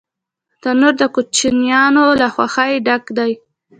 تنور د کوچنیانو له خوښۍ ډک دی